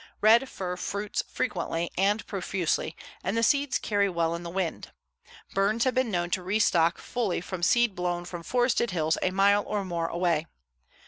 Red fir fruits frequently and profusely, and the seeds carry well in the wind. Burns have been known to restock fully from seed blown from forested hills a mile or more away.